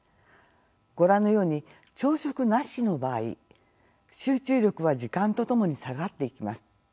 ご覧のように朝食なしの場合集中力は時間とともに下がっていきます。